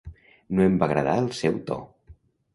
No em va agradar el seu to.